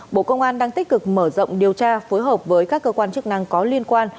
bộ công an đang tích cực mở rộng điều tra phối hợp với các cơ quan chức năng có liên quan